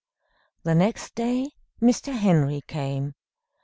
The next day Mr. Henry came.